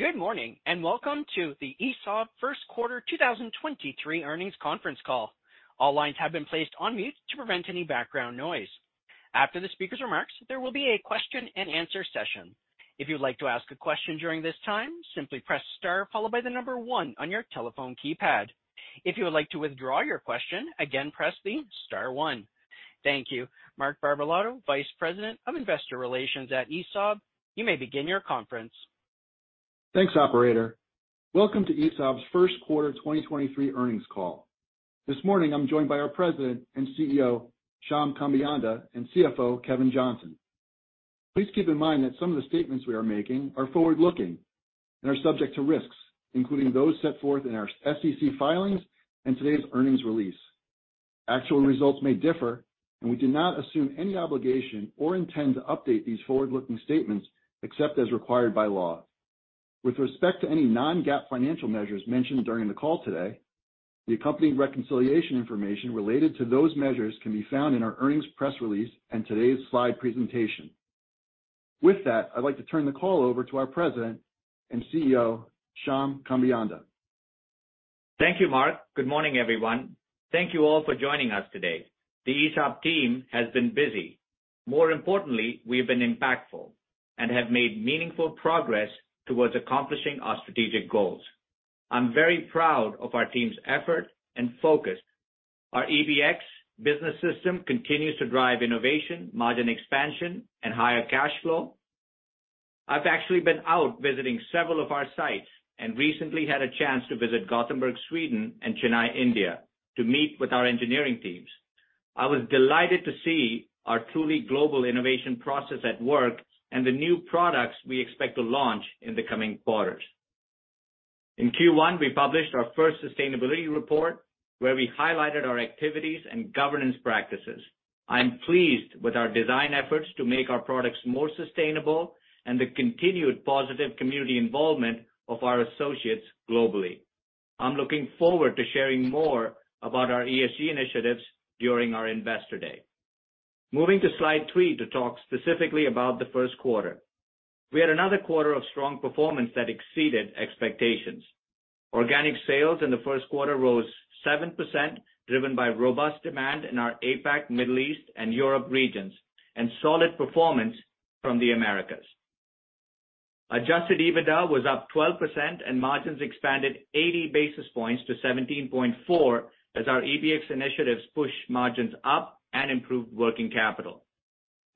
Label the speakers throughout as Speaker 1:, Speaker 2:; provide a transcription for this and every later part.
Speaker 1: Good morning, and welcome to the ESAB first quarter 2023 earnings conference call. All lines have been placed on mute to prevent any background noise. After the speaker's remarks, there will be a question and answer session. If you would like to ask a question during this time, simply press star followed by one on your telephone keypad. If you would like to withdraw your question, again, press the star one. Thank you. Mark Barbalato, Vice President of Investor Relations at ESAB, you may begin your conference.
Speaker 2: Thanks operator. Welcome to ESAB's first quarter 2023 earnings call. This morning, I'm joined by our President and CEO, Shyam Kambeyanda, and CFO, Kevin Johnson. Please keep in mind that some of the statements we are making are forward-looking and are subject to risks, including those set forth in our SEC filings and today's earnings release. Actual results may differ. We do not assume any obligation or intend to update these forward-looking statements except as required by law. With respect to any non-GAAP financial measures mentioned during the call today, the accompanying reconciliation information related to those measures can be found in our earnings press release and today's slide presentation. With that, I'd like to turn the call over to our President and CEO, Shyam Kambeyanda.
Speaker 3: Thank you Mark. Good morning, everyone. Thank you all for joining us today. The ESAB team has been busy. More importantly, we have been impactful and have made meaningful progress towards accomplishing our strategic goals. I'm very proud of our team's effort and focus. Our EBX business system continues to drive innovation, margin expansion, and higher cash flow. I've actually been out visiting several of our sites and recently had a chance to visit Gothenburg, Sweden, and Chennai, India, to meet with our engineering teams. I was delighted to see our truly global innovation process at work and the new products we expect to launch in the coming quarters. In Q1, we published our first sustainability report, where we highlighted our activities and governance practices. I'm pleased with our design efforts to make our products more sustainable and the continued positive community involvement of our associates globally. I'm looking forward to sharing more about our ESG initiatives during our investor day. Moving to slide three to talk specifically about the first quarter. We had another quarter of strong performance that exceeded expectations. Organic sales in the first quarter rose 7%, driven by robust demand in our APAC, Middle East, and Europe regions, and solid performance from the Americas. Adjusted EBITDA was up 12% and margins expanded 80 basis points to 17.4 as our EBX initiatives pushed margins up and improved working capital.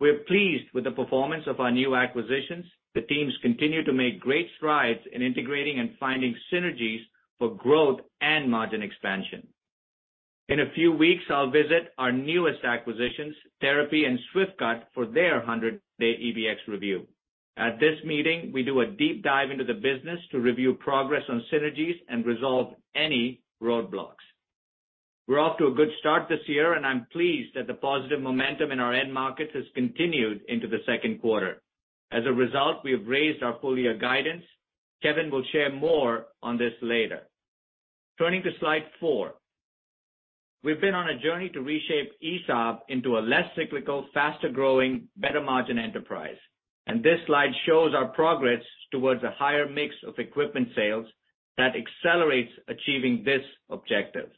Speaker 3: We're pleased with the performance of our new acquisitions. The teams continue to make great strides in integrating and finding synergies for growth and margin expansion. In a few weeks, I'll visit our newest acquisitions, Therapy and Swift-Cut, for their 100-day EBX review. At this meeting, we do a deep dive into the business to review progress on synergies and resolve any roadblocks. We're off to a good start this year. I'm pleased that the positive momentum in our end markets has continued into the second quarter. As a result, we have raised our full year guidance. Kevin will share more on this later. Turning to slide four. We've been on a journey to reshape ESAB into a less cyclical, faster growing, better margin enterprise, and this slide shows our progress towards a higher mix of equipment sales that accelerates achieving this objective.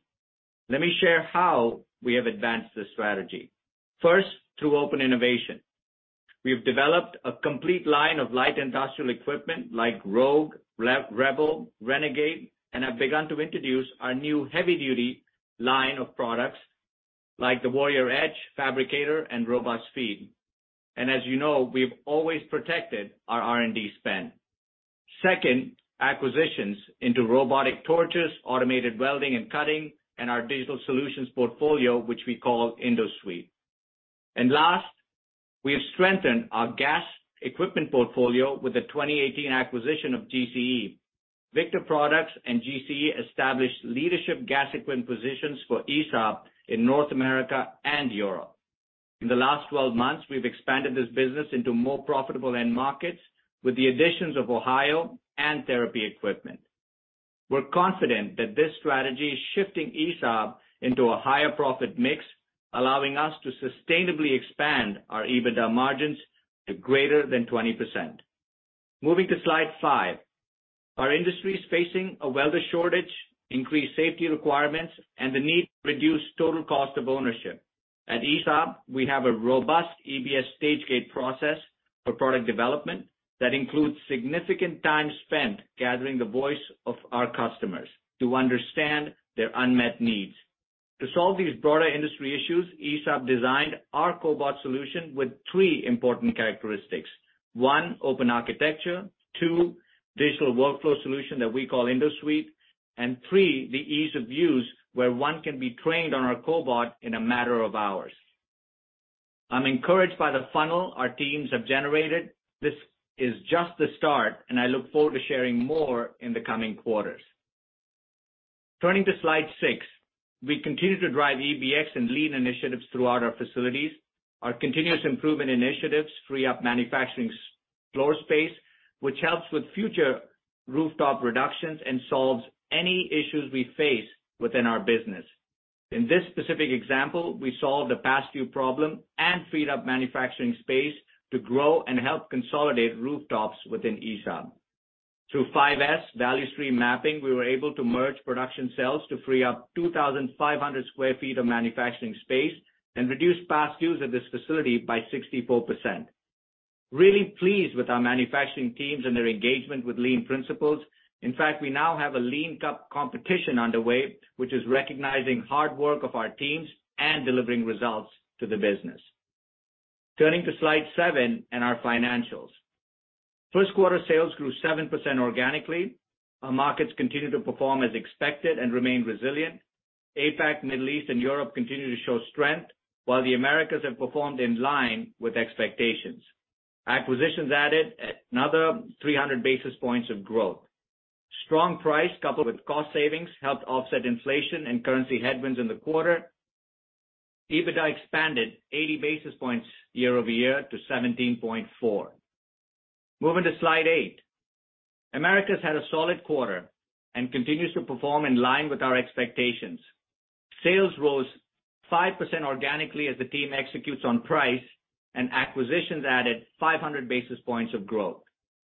Speaker 3: Let me share how we have advanced this strategy. First, through open innovation. We've developed a complete line of light industrial equipment like Rogue, Rebel, Renegade, and have begun to introduce our new heavy-duty line of products like the Warrior Edge, Fabricator, and RobustFeed. As you know, we've always protected our R&D spend. Second, acquisitions into robotic torches, automated welding and cutting, and our digital solutions portfolio, which we call InduSuite. Last, we have strengthened our gas equipment portfolio with the 2018 acquisition of GCE. Victor Products and GCE established leadership gas equipment positions for ESAB in North America and Europe. In the last 12 months, we've expanded this business into more profitable end markets with the additions of Ohio and Therapy Equipment. We're confident that this strategy is shifting ESAB into a higher profit mix, allowing us to sustainably expand our EBITDA margins to greater than 20%. Moving to slide five. Our industry is facing a welder shortage, increased safety requirements, and the need to reduce total cost of ownership. At ESAB, we have a robust EBX stage gate process for product development that includes significant time spent gathering the voice of our customers to understand their unmet needs. To solve these broader industry issues, ESAB designed our Cobot solution with three important characteristics. One, open architecture. Two, digital workflow solution that we call InduSuite. Three, the ease of use, where one can be trained on our Cobot in a matter of hours. I'm encouraged by the funnel our teams have generated. This is just the start, and I look forward to sharing more in the coming quarters. Turning to slide six. We continue to drive EBX and lean initiatives throughout our facilities. Our continuous improvement initiatives free up manufacturing floor space, which helps with future rooftop reductions and solves any issues we face within our business. In this specific example, we solved a past due problem and freed up manufacturing space to grow and help consolidate rooftops within ESAB. Through 5S value stream mapping, we were able to merge production cells to free up 2,500 sq ft of manufacturing space and reduce past dues at this facility by 64%. Pleased with our manufacturing teams and their engagement with lean principles. We now have a lean cup competition underway, which is recognizing hard work of our teams and delivering results to the business. Turning to slide seven and our financials. First quarter sales grew 7% organically. Our markets continue to perform as expected and remain resilient. APAC, Middle East and Europe continue to show strength, while the Americas have performed in line with expectations. Acquisitions added another 300 basis points of growth. Strong price coupled with cost savings helped offset inflation and currency headwinds in the quarter. EBITDA expanded 80 basis points year-over-year to 17.4%. Moving to slide eight. Americas had a solid quarter and continues to perform in line with our expectations. Sales rose 5% organically as the team executes on price and acquisitions added 500 basis points of growth.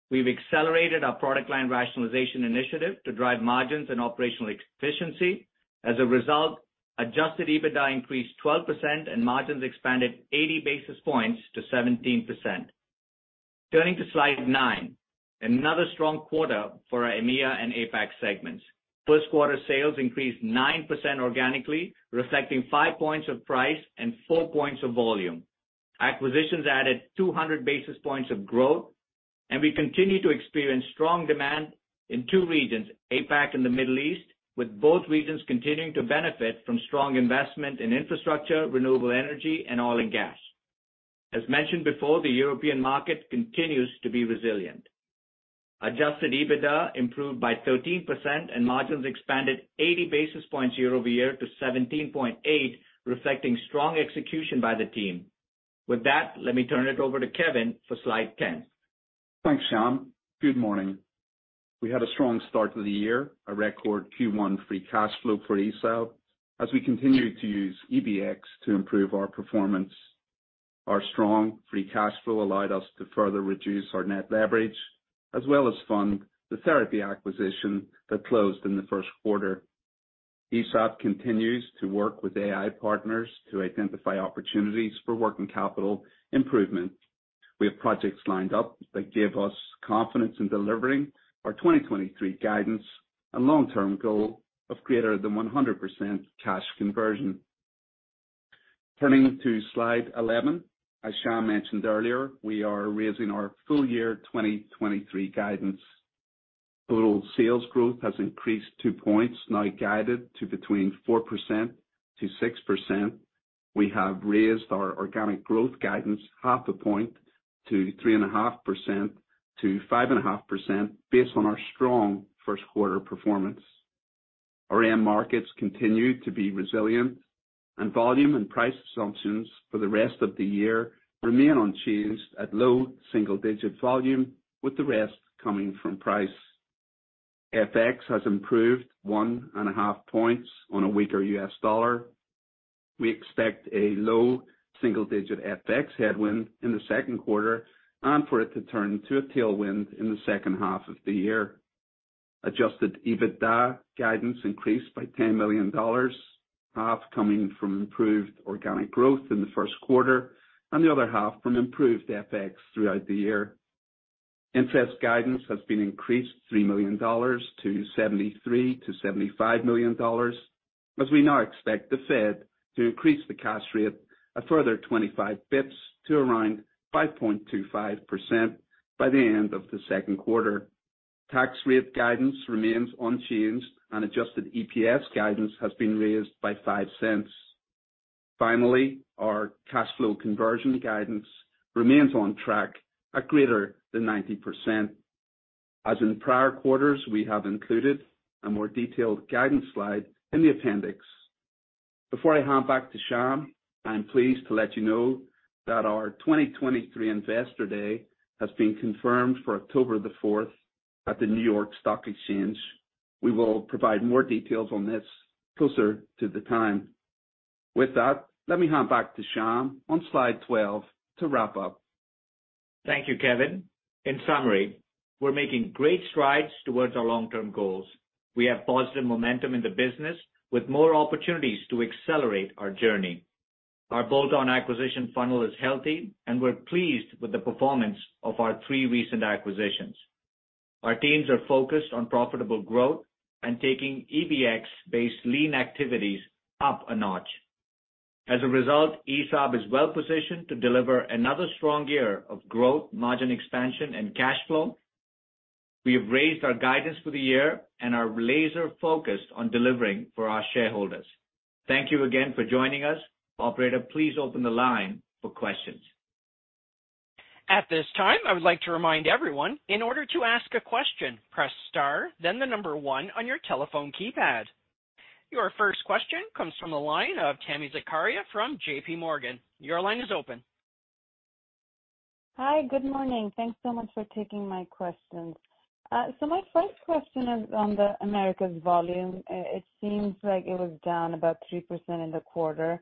Speaker 3: We've accelerated our product line rationalization initiative to drive margins and operational efficiency. As a result, adjusted EBITDA increased 12% and margins expanded 80 basis points to 17%. Turning to slide nine. Another strong quarter for our EMEA and APAC segments. First quarter sales increased 9% organically, reflecting 5 points of price and 4 points of volume. Acquisitions added 200 basis points of growth. We continue to experience strong demand in 2 regions, APAC and the Middle East, with both regions continuing to benefit from strong investment in infrastructure, renewable energy, and oil and gas. As mentioned before, the European market continues to be resilient. Adjusted EBITDA improved by 13% and margins expanded 80 basis points year-over-year to 17.8%, reflecting strong execution by the team. With that, let me turn it over to Kevin for slide 10.
Speaker 4: Thanks, Shyam. Good morning. We had a strong start to the year, a record Q1 free cash flow for ESAB as we continue to use EBX to improve our performance. Our strong free cash flow allowed us to further reduce our net leverage as well as fund the Therapy acquisition that closed in the first quarter. ESAB continues to work with AI partners to identify opportunities for working capital improvement. We have projects lined up that give us confidence in delivering our 2023 guidance and long-term goal of greater than 100% cash conversion. Turning to slide 11. As Shyam mentioned earlier, we are raising our full year 2023 guidance. Total sales growth has increased two points, now guided to between 4%-6%. We have raised our organic growth guidance half a point to 3.5%-5.5% based on our strong first quarter performance. Our end markets continue to be resilient. Volume and price assumptions for the rest of the year remain unchanged at low single-digit volume, with the rest coming from price. FX has improved one and a half points on a weaker U.S. dollar. We expect a low single-digit FX headwind in the second quarter and for it to turn to a tailwind in the second half of the year. Adjusted EBITDA guidance increased by $10 million, half coming from improved organic growth in the first quarter and the other half from improved FX throughout the year. Interest guidance has been increased $3 million to $73 million-$75 million, as we now expect the Fed to increase the cash rate a further 25 basis points to around 5.25% by the end of the second quarter. Tax rate guidance remains unchanged and adjusted EPS guidance has been raised by $0.05. Finally, our cash flow conversion guidance remains on track at greater than 90%. As in prior quarters, we have included a more detailed guidance slide in the appendix. Before I hand back to Shyam, I am pleased to let you know that our 2023 Investor Day has been confirmed for October the fourth at the New York Stock Exchange. We will provide more details on this closer to the time. With that, let me hand back to Shyam on slide 12 to wrap up.
Speaker 3: Thank you, Kevin. In summary, we're making great strides towards our long-term goals. We have positive momentum in the business with more opportunities to accelerate our journey. Our bolt-on acquisition funnel is healthy, and we're pleased with the performance of our three recent acquisitions. Our teams are focused on profitable growth and taking EBX-based lean activities up a notch. As a result, ESAB is well-positioned to deliver another strong year of growth, margin expansion and cash flow. We have raised our guidance for the year and are laser-focused on delivering for our shareholders. Thank you again for joining us. Operator, please open the line for questions.
Speaker 1: At this time, I would like to remind everyone, in order to ask a question, press star then the number one on your telephone keypad. Your first question comes from the line of Tami Zakaria from JP Morgan. Your line is open.
Speaker 5: Hi, good morning. Thanks so much for taking my questions. My first question is on the Americas volume. It seems like it was down about 3% in the quarter.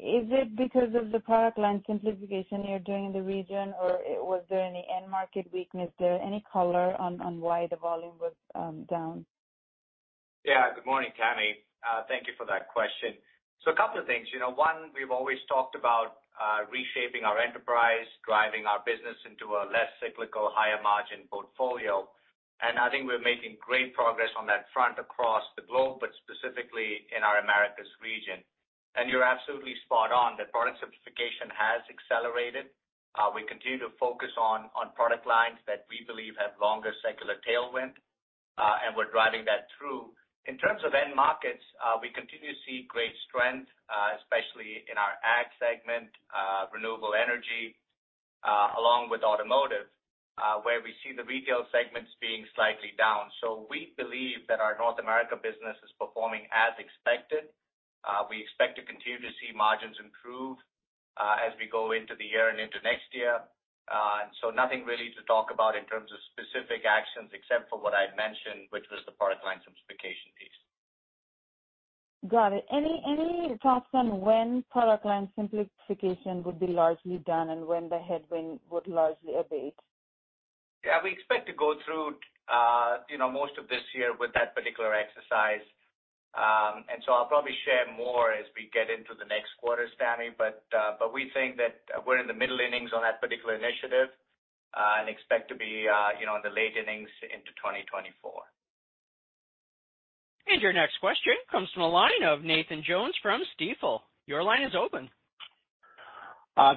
Speaker 5: Is it because of the product line simplification you're doing in the region, or was there any end market weakness there? Any color on why the volume was down?
Speaker 3: Yeah, good morning, Tami. Thank you for that question. A couple of things. You know, one, we've always talked about reshaping our enterprise, driving our business into a less cyclical, higher margin portfolio. I think we're making great progress on that front across the globe, but specifically in our Americas region. You're absolutely spot on that product simplification has accelerated. We continue to focus on product lines that we believe have longer secular tailwind, and we're driving that through. In terms of end markets, we continue to see great strength, especially in our ag segment, renewable energy, along with automotive, where we see the retail segments being slightly down. We believe that our North America business is performing as expected. We expect to continue to see margins improve as we go into the year and into next year. Nothing really to talk about in terms of specific actions except for what I had mentioned, which was the product line simplification piece.
Speaker 5: Got it. Any thoughts on when product line simplification would be largely done and when the headwind would largely abate?
Speaker 3: Yeah, we expect to go through, you know, most of this year with that particular exercise. I'll probably share more as we get into the next quarter, Tami. We think that we're in the middle innings on that particular initiative, and expect to be, you know, in the late innings into 2024.
Speaker 1: Your next question comes from the line of Nathan Jones from Stifel. Your line is open.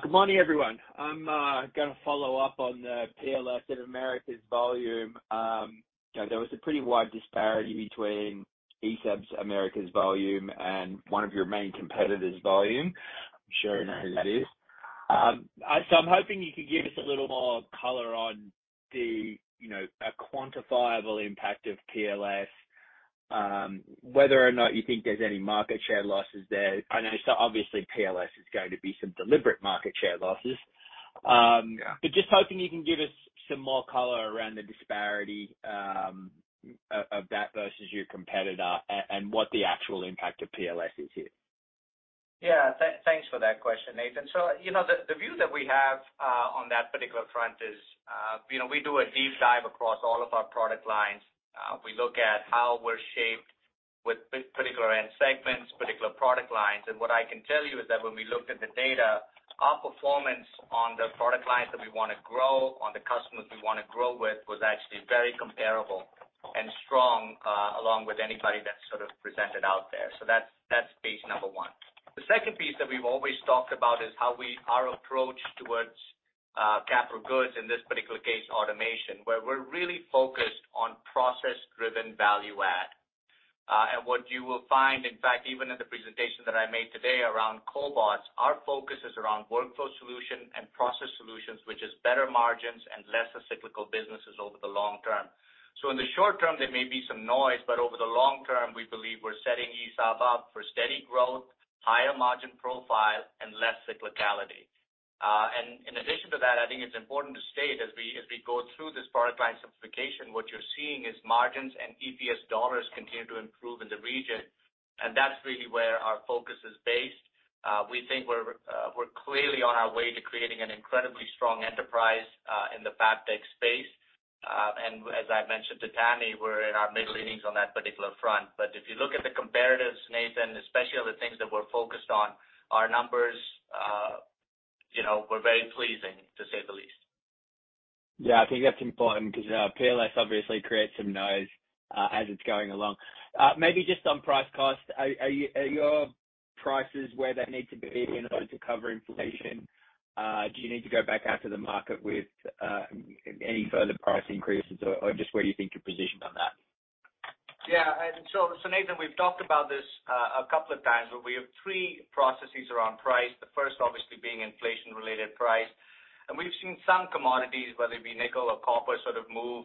Speaker 6: Good morning, everyone. I'm gonna follow up on the PLS of America's volume. You know, there was a pretty wide disparity between ESAB's America's volume and one of your main competitors' volume. I'm sure you know who that is. I'm hoping you could give us a little more color on the, you know, a quantifiable impact of PLS, whether or not you think there's any market share losses there. I know so obviously PLS is going to be some deliberate market share losses. Just hoping you can give us some more color around the disparity, of that versus your competitor and what the actual impact of PLS is here.
Speaker 3: Yeah, thanks for that question, Nathan. You know, the view that we have on that particular front is, you know, we do a deep dive across all of our product lines. We look at how we're shaped with particular end segments, particular product lines. What I can tell you is that when we looked at the data, our performance on the product lines that we wanna grow, on the customers we wanna grow with, was actually very comparable and strong, along with anybody that's sort of presented out there. That's piece number one. The second piece that we've always talked about is how our approach towards capital goods, in this particular case, automation, where we're really focused on process-driven value add. What you will find, in fact, even in the presentation that I made today around Cobots, our focus is around workflow solution and process solutions, which is better margins and lesser cyclical businesses over the long term. In the short term, there may be some noise, but over the long term, we believe we're setting ESAB up for steady growth, higher margin profile and less cyclicality. In addition to that, I think it's important to state as we go through this product line simplification, what you're seeing is margins and EPS dollars continue to improve in the region, and that's really where our focus is based. We think we're clearly on our way to creating an incredibly strong enterprise in the FabTech space. As I mentioned to Tami, we're in our middle innings on that particular front. If you look at the comparatives, Nathan, especially on the things that we're focused on, our numbers, you know, were very pleasing, to say the least.
Speaker 6: Yeah, I think that's important because PLS obviously creates some noise as it's going along. Maybe just on price cost, are your prices where they need to be in order to cover inflation? Do you need to go back out to the market with any further price increases or just where you think you're positioned on that?
Speaker 3: Nathan, we've talked about this a couple of times, but we have three processes around price. The first obviously being inflation-related price. We've seen some commodities, whether it be nickel or copper, sort of move,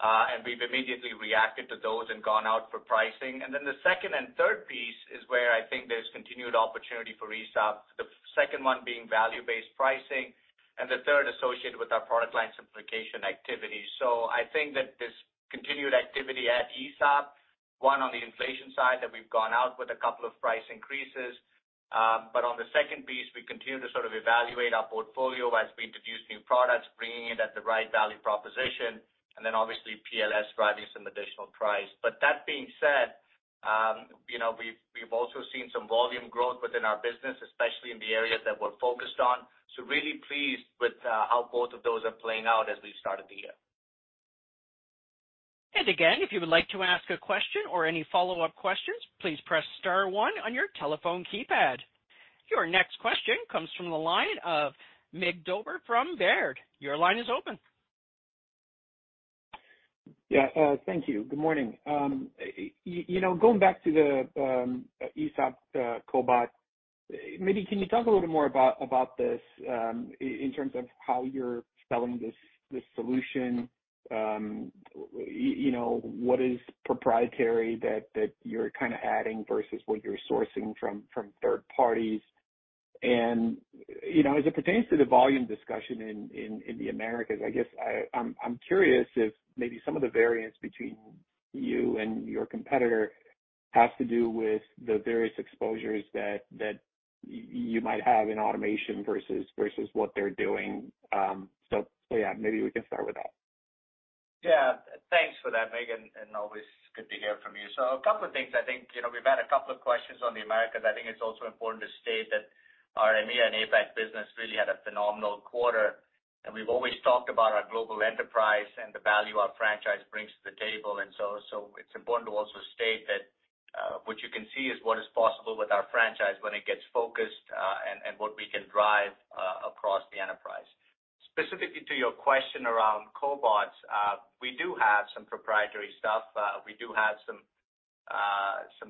Speaker 3: and we've immediately reacted to those and gone out for pricing. Then the second and third piece is where I think there's continued opportunity for ESAB, the second one being value-based pricing and the third associated with our product line simplification activity. I think that there's continued activity at ESAB, one on the inflation side that we've gone out with a couple of price increases. On the second piece, we continue to sort of evaluate our portfolio as we introduce new products, bringing it at the right value proposition, and then obviously PLS driving some additional price. That being said, you know, we've also seen some volume growth within our business, especially in the areas that we're focused on. Really pleased with how both of those are playing out as we've started the year.
Speaker 1: Again, if you would like to ask a question or any follow-up questions, please press star one on your telephone keypad. Your next question comes from the line of Mircea Dobre from Baird. Your line is open.
Speaker 5: Yeah thank you. Good morning. you know, going back to the ESAB cobot, maybe can you talk a little bit more about this, in terms of how you're selling this solution?
Speaker 7: You know, what is proprietary that you're kinda adding versus what you're sourcing from third parties. You know, as it pertains to the volume discussion in the Americas, I guess I'm curious if maybe some of the variance between you and your competitor has to do with the various exposures that you might have in automation versus what they're doing. Yeah, maybe we can start with that.
Speaker 3: Yeah. Thanks for that, Megan, and always good to hear from you. A couple of things. I think, you know, we've had a couple of questions on the Americas. I think it's also important to state that our EMEA and APAC business really had a phenomenal quarter, and we've always talked about our global enterprise and the value our franchise brings to the table. It's important to also state that what you can see is what is possible with our franchise when it gets focused and what we can drive across the enterprise. Specifically to your question around Cobots, we do have some proprietary stuff. We do have some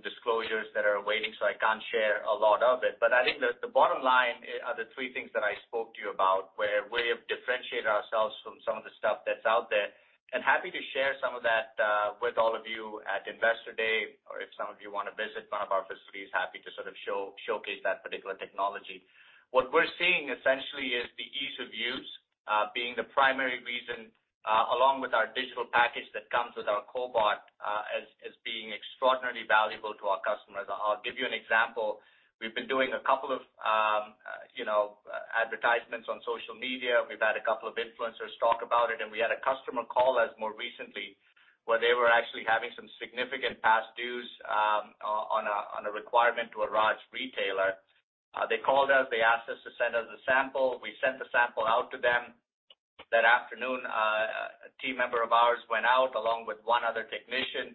Speaker 3: disclosures that are waiting, so I can't share a lot of it. I think the bottom line are the three things that I spoke to you about, where we have differentiated ourselves from some of the stuff that's out there. Happy to share some of that with all of you at Investor Day, or if some of you wanna visit one of our facilities, happy to sort of showcase that particular technology. What we're seeing essentially is the ease of use being the primary reason along with our digital package that comes with our cobot as being extraordinarily valuable to our customers. I'll give you an example. We've been doing a couple of, you know, advertisements on social media. We've had a couple of influencers talk about it. We had a customer call us more recently where they were actually having some significant past dues on a requirement to a large retailer. They called us, they asked us to send them the sample. We sent the sample out to them. That afternoon, a team member of ours went out along with one other technician.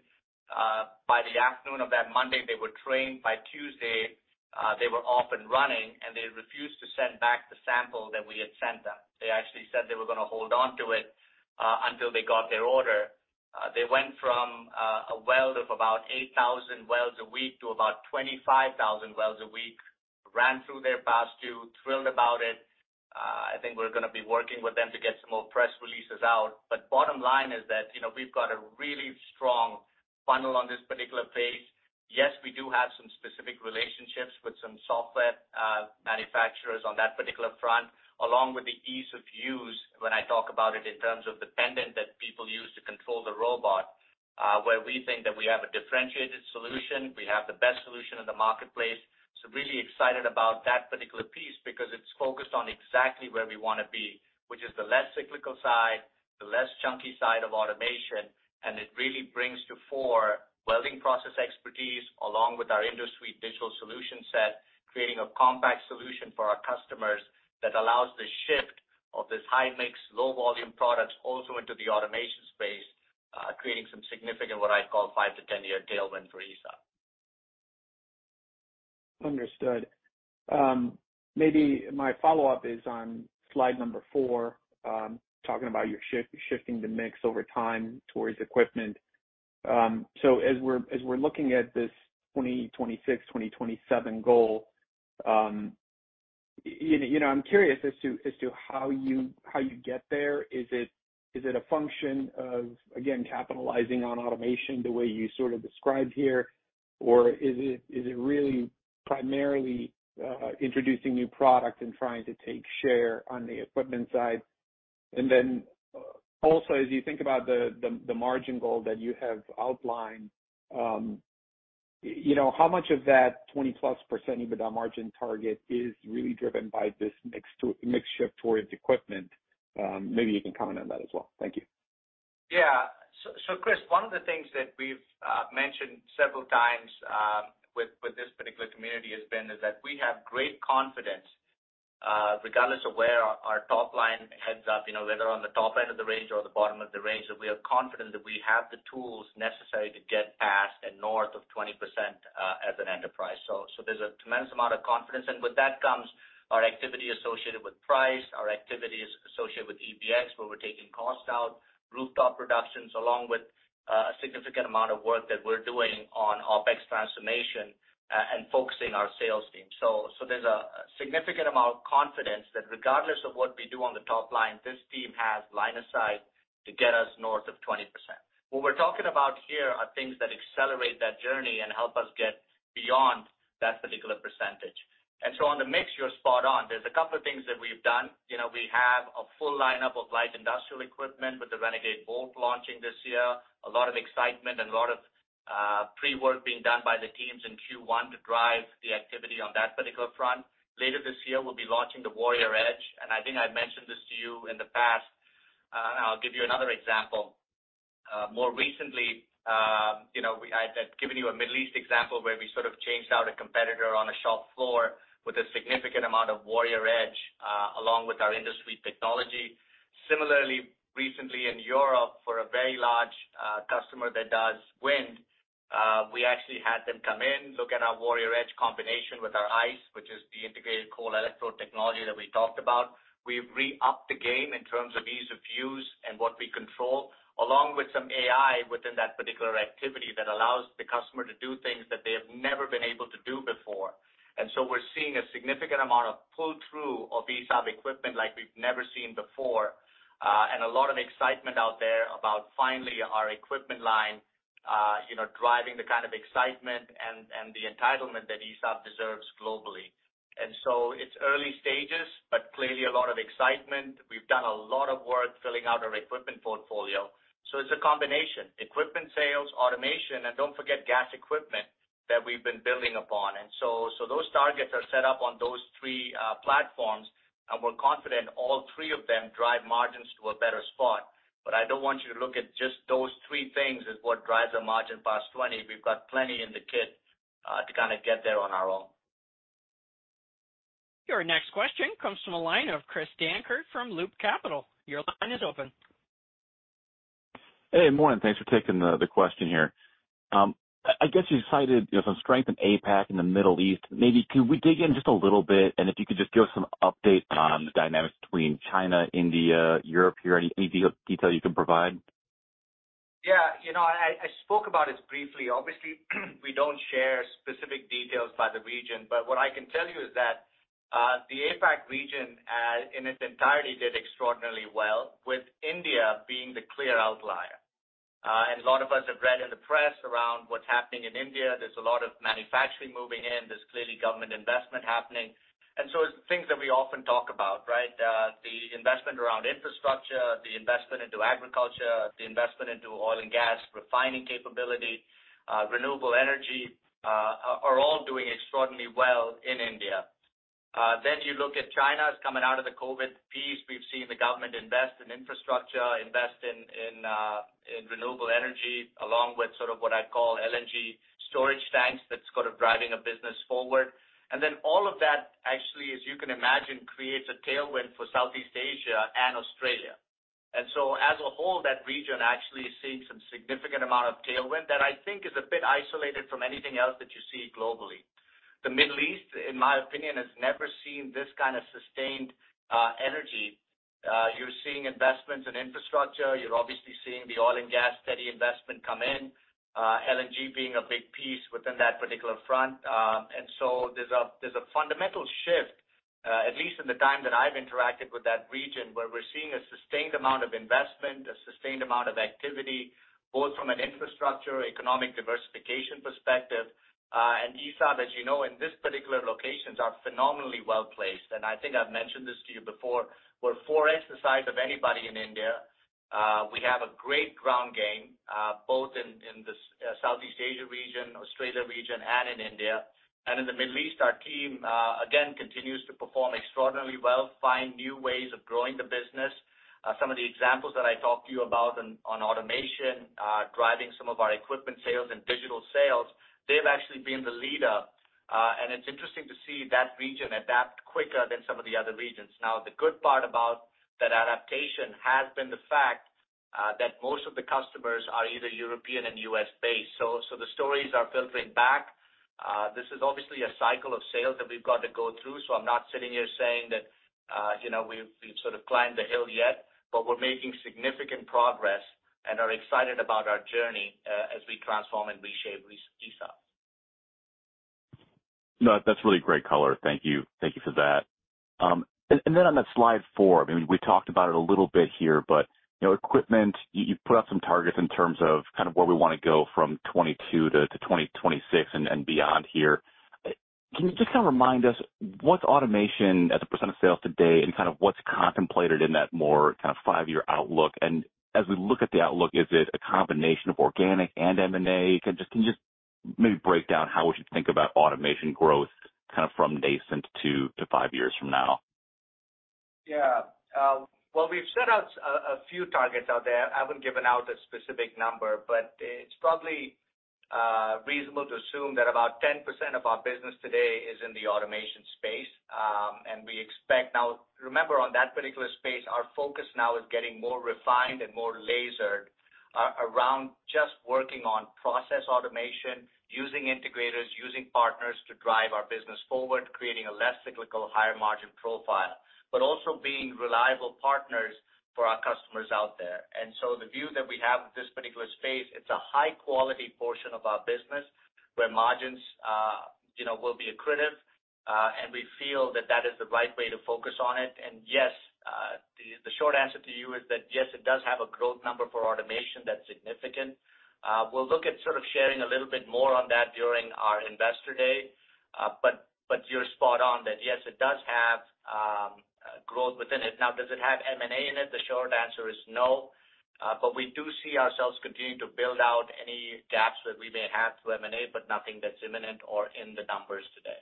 Speaker 3: By the afternoon of that Monday, they were trained. By Tuesday, they were off and running. They refused to send back the sample that we had sent them. They actually said they were gonna hold on to it until they got their order. They went from a weld of about 8,000 welds a week to about 25,000 welds a week, ran through their past due, thrilled about it. I think we're gonna be working with them to get some more press releases out. Bottom line is that, you know, we've got a really strong funnel on this particular phase. Yes, we do have some specific relationships with some software manufacturers on that particular front, along with the ease of use when I talk about it in terms of the pendant that people use to control the robot, where we think that we have a differentiated solution. We have the best solution in the marketplace. Really excited about that particular piece because it's focused on exactly where we wanna be, which is the less cyclical side, the less chunky side of automation, and it really brings to fore welding process expertise along with our industry digital solution set, creating a compact solution for our customers that allows the shift of this high-mix, low-volume products also into the automation space, creating some significant, what I'd call 5-10-year tailwind for ESAB.
Speaker 7: Understood. Maybe my follow-up is on slide number four, talking about your shift, shifting the mix over time towards equipment. As we're looking at this 2026, 2027 goal, you know, I'm curious as to how you get there. Is it a function of, again, capitalizing on automation the way you sort of described here? Or is it really primarily introducing new product and trying to take share on the equipment side? Also, as you think about the margin goal that you have outlined, you know, how much of that 20+% EBITDA margin target is really driven by this mix shift towards equipment? Maybe you can comment on that as well. Thank you.
Speaker 3: Chris, one of the things that we've mentioned several times, with this particular community has been is that we have great confidence, regardless of where our top line heads up, you know, whether on the top end of the range or the bottom of the range, that we are confident that we have the tools necessary to get past and north of 20%, as an enterprise. There's a tremendous amount of confidence, and with that comes our activity associated with price, our activities associated with EBX, where we're taking costs out, rooftop reductions, along with a significant amount of work that we're doing on OpEx transformation, and focusing our sales team. There's a significant amount of confidence that regardless of what we do on the top line, this team has line of sight to get us north of 20%. What we're talking about here are things that accelerate that journey and help us get beyond that particular percentage. On the mix, you're spot on. There's a couple of things that we've done. You know, we have a full lineup of light industrial equipment with the Renegade VOLT launching this year. A lot of excitement and a lot of pre-work being done by the teams in Q1 to drive the activity on that particular front. Later this year, we'll be launching the Warrior Edge, and I think I've mentioned this to you in the past. I'll give you another example. More recently, you know, I'd given you a Middle East example where we sort of changed out a competitor on a shop floor with a significant amount of Warrior Edge, along with our industry technology. Similarly, recently in Europe, for a very large customer that does wind, we actually had them come in, look at our Warrior Edge combination with our ICE, which is the Integrated Cold Electrode technology that we talked about. We've re-upped the game in terms of ease of use and what we control, along with some AI within that particular activity that allows the customer to do things that they have never been able to do before. We're seeing a significant amount of pull-through of ESAB equipment like we've never seen before, and a lot of excitement out there about finally our equipment line, you know, driving the kind of excitement and the entitlement that ESAB deserves globally. It's early stages, but clearly a lot of excitement. We've done a lot of work filling out our equipment portfolio. It's a combination, equipment sales, automation, and don't forget gas equipment that we've been building upon. So those targets are set up on those three platforms, and we're confident all three of them drive margins to a better spot. I don't want you to look at just those three things as what drives a margin past 20. We've got plenty in the kit, to kinda get there on our own.
Speaker 1: Your next question comes from the line of Chris Dankert from Loop Capital. Your line is open.
Speaker 8: Hey, morning. Thanks for taking the question here. I guess you cited, you know, some strength in APAC in the Middle East. Maybe could we dig in just a little bit, and if you could just give us some updates on the dynamics between China, India, Europe here, any detail you can provide?
Speaker 3: You know, I spoke about it briefly. Obviously, we don't share specific details by the region, but what I can tell you is that the APAC region in its entirety did extraordinarily well, with India being the clear outlier. A lot of us have read in the press around what's happening in India. There's a lot of manufacturing moving in. There's clearly government investment happening. It's things that we often talk about, right? The investment around infrastructure, the investment into agriculture, the investment into oil and gas refining capability, renewable energy, are all doing extraordinarily well in India. You look at China's coming out of the COVID piece. We've seen the government invest in infrastructure, invest in renewable energy, along with sort of what I'd call LNG storage tanks that's sort of driving a business forward. Then all of that actually, as you can imagine, creates a tailwind for Southeast Asia and Australia. So as a whole, that region actually is seeing some significant amount of tailwind that I think is a bit isolated from anything else that you see globally. The Middle East, in my opinion, has never seen this kind of sustained energy. You're seeing investments in infrastructure. You're obviously seeing the oil and gas steady investment come in, LNG being a big piece within that particular front. There's a fundamental shift, at least in the time that I've interacted with that region, where we're seeing a sustained amount of investment, a sustained amount of activity, both from an infrastructure, economic diversification perspective. ESAB, as you know, in this particular locations are phenomenally well-placed. I think I've mentioned this to you before, we're 4x the size of anybody in India. We have a great ground game, both in the Southeast Asia region, Australia region, and in India. In the Middle East, our team, again, continues to perform extraordinarily well, find new ways of growing the business. Some of the examples that I talked to you about on automation, driving some of our equipment sales and digital sales, they've actually been the leader. It's interesting to see that region adapt quicker than some of the other regions. The good part about that adaptation has been the fact that most of the customers are either European and US-based. The stories are filtering back. This is obviously a cycle of sales that we've got to go through, so I'm not sitting here saying that, you know, we've sort of climbed the hill yet, but we're making significant progress and are excited about our journey as we transform and reshape ESAB.
Speaker 8: No, that's really great color. Thank you. Thank you for that. Then on that slide four, I mean, we talked about it a little bit here, but, you know, equipment, you've put out some targets in terms of kind of where we wanna go from 2022 to 2026 and beyond here. Can you just kind of remind us what's automation as a % of sales today and kind of what's contemplated in that more kind of five-year outlook? As we look at the outlook, is it a combination of organic and M&A? Can you just maybe break down how we should think about automation growth kind of from nascent to 5 years from now?
Speaker 3: Well, we've set out a few targets out there. I haven't given out a specific number, but it's probably reasonable to assume that about 10% of our business today is in the automation space. We expect. Now, remember on that particular space, our focus now is getting more refined and more lasered around just working on process automation, using integrators, using partners to drive our business forward, creating a less cyclical higher margin profile, but also being reliable partners for our customers out there. The view that we have with this particular space, it's a high-quality portion of our business where margins, you know, will be accretive, and we feel that that is the right way to focus on it. Yes, the short answer to you is that yes, it does have a growth number for automation that's significant. We'll look at sort of sharing a little bit more on that during our investor day. You're spot on that, yes, it does have growth within it. Now, does it have M&A in it? The short answer is no. We do see ourselves continuing to build out any gaps that we may have through M&A, but nothing that's imminent or in the numbers today.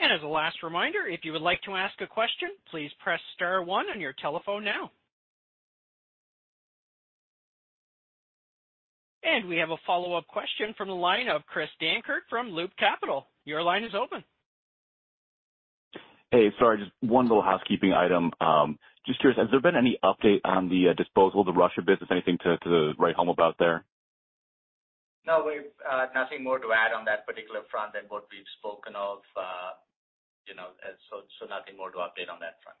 Speaker 1: As a last reminder, if you would like to ask a question, please press star one on your telephone now. We have a follow-up question from the line of Chris Dankert from Loop Capital. Your line is open.
Speaker 8: Hey, sorry, just one little housekeeping item. Just curious, has there been any update on the disposal of the Russia business? Anything to write home about there?
Speaker 3: No, we've nothing more to add on that particular front than what we've spoken of, you know, so nothing more to update on that front.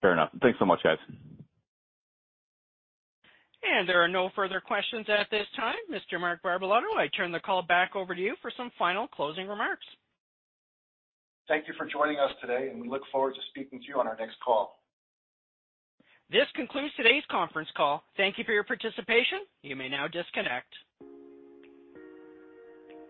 Speaker 8: Fair enough. Thanks so much, guys.
Speaker 1: There are no further questions at this time. Mr. Mark Barbalato, I turn the call back over to you for some final closing remarks.
Speaker 2: Thank you for joining us today, and we look forward to speaking to you on our next call.
Speaker 1: This concludes today's conference call. Thank you for your participation. You may now disconnect.